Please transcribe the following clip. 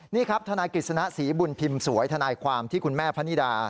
นี่ครับทนายกฤษณะศรีบุญพิมพ์สวยทนายความที่คุณแม่พะนิดา